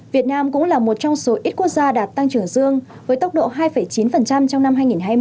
việt nam cũng là một trong số ít quốc gia đạt tăng trưởng dương với tốc độ hai chín trong năm hai nghìn hai mươi